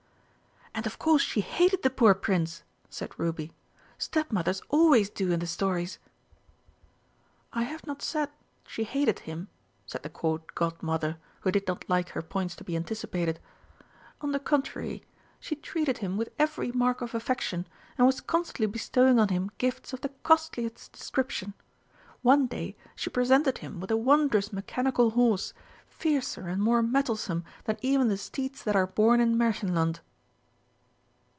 "And of course she hated the poor Prince," said Ruby. "Stepmothers always do in the stories." "I have not said she hated him," said the Court Godmother, who did not like her points to be anticipated. "On the contrary, she treated him with every mark of affection, and was constantly bestowing on him gifts of the costliest description. One day she presented him with a wondrous mechanical horse, fiercer and more mettlesome than even the steeds that are born in Märchenland."